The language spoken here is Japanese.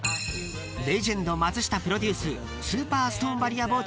［レジェンド松下プロデューススーパーストーンバリア